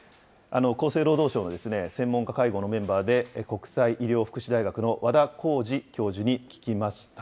厚生労働省の専門家会合のメンバーで、国際医療福祉大学の和田耕治教授に聞きました。